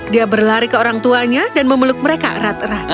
dia berlari ke orangtuanya dan memeluk mereka erat erat